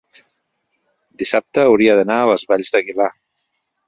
dissabte hauria d'anar a les Valls d'Aguilar.